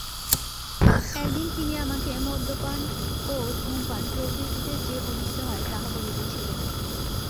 একদিন তিনি আমাকে মদ্যপান ও ধূমপান প্রভৃতিতে যে অনিষ্ট হয়, তাহা বলিতেছিলেন।